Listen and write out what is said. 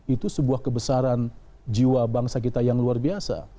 itu sebuah kebesaran jiwa bangsa kita yang luar biasa